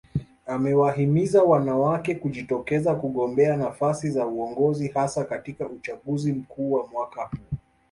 Amewahimiza wanawake kujitokeza kugombea nafasi za uongozi hasa katika uchaguzi mkuu wa mwaka huu